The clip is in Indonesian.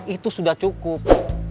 itu sudah cukup